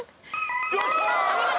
お見事！